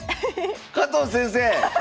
⁉加藤先生！